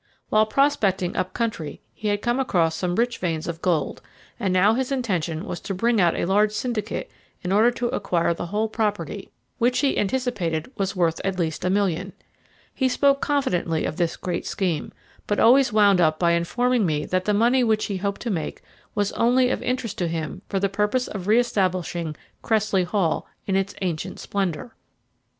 While prospecting up country he had come across some rich veins of gold, and now his intention was to bring out a large syndicate in order to acquire the whole property, which, he anticipated, was worth at least a million. He spoke confidently of this great scheme, but always wound up by informing me that the money which he hoped to make was only of interest to him for the purpose of re establishing Cressley Hall in its ancient splendour.